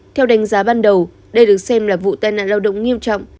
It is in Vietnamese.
theo đánh giá ban đầu đây được xem là vụ tai nạn lao động nghiêm trọng